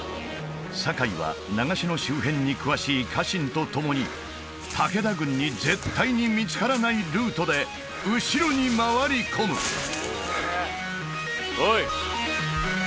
酒井は長篠周辺に詳しい家臣と共に武田軍に絶対に見つからないルートで後ろに回り込むおい！